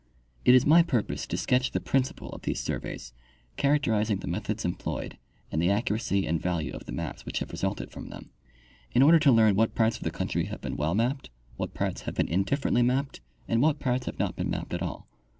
It is my purpose to sketch the principal of these surveys, characterizing the methods employed and the accuracy and value of the maps which have resulted from them, in order to learn what parts of the country have been well mapped, what parts have been indifferently mapped, and what parts have not been mapped at all.